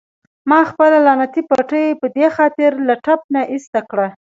ما خپله لعنتي پټۍ په دې خاطر له ټپ نه ایسته کړه.